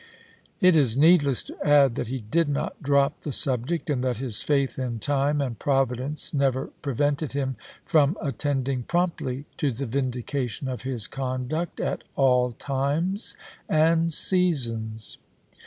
It is needless to add that he did not drop the sub ject, and that his faith in time and Providence never prevented him from attending promptly to the vindication of his conduct, at all times and seasons.